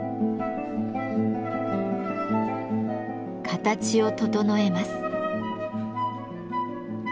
形を整えます。